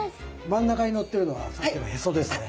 真ん中にのってるのはさっきのヘソですね。